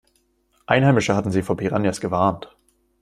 Einheimische hatten sie vor Piranhas gewarnt.